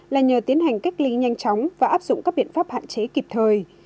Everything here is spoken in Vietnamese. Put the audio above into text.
là nhờ tiến hành cách ly nhanh chóng và áp dụng các biện pháp hạn chế kịp thời